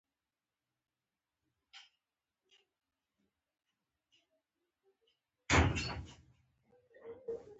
ته به په ټول ژوند پوه شې چې په تا پورې اړه درلوده.